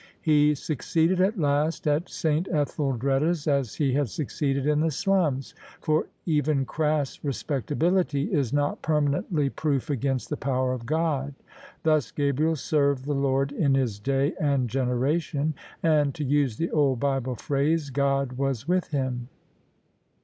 He succeeded at last at S. Etheldreda's as he had succeeded in the slums; for even crass respectability is not permanently THE SUBJECTION proof against the power of God. Thus Gabriel served the Lord in his day and generation; and — ^to use the old Bible phrase — God was with him.